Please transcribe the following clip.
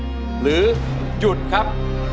สู้หรือหยุดครับ